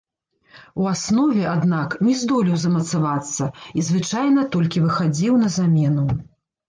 У аснове, аднак, не здолеў замацавацца і звычайна толькі выхадзіў на замену.